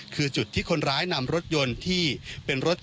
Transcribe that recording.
คือจุดที่คนร้ายนำรถยนต์ที่เป็นรถ